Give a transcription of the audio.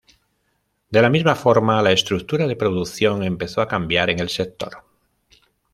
De la misma forma, la estructura de producción empezó a cambiar en el sector.